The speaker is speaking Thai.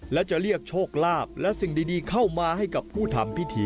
และจะเรียกโชคลาภและสิ่งดีเข้ามาให้กับผู้ทำพิธี